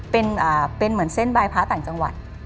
เป็นเหมือนเส้นบายพระต่างจังหวัด